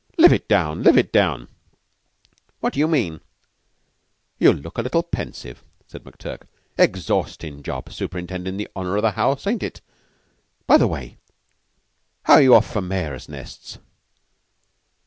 Live it down! Live it down!" "What d'you mean?" "You look a little pensive," said McTurk. "Exhaustin' job superintendin' the honor of the house, ain't it? By the way, how are you off for mares' nests?"